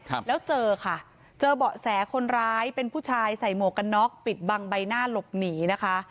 ครับแล้วเจอค่ะเจอเบาะแสคนร้ายเป็นผู้ชายใส่หมวกกันน็อกปิดบังใบหน้าหลบหนีนะคะ